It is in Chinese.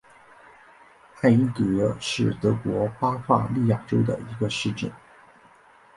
艾因格是德国巴伐利亚州的一个市镇。